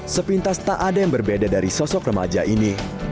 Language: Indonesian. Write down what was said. sepintas tak ada yang berbeda dari sosok remaja ini